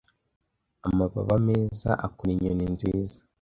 Amababa meza akora inyoni nziza.